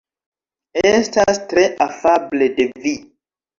Estas tre afable de vi.